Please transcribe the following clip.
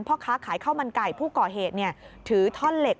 พ่อค้าขายข้าวมันไก่ผู้ก่อเหตุถือท่อนเหล็ก